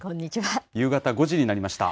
夕方５時になりました。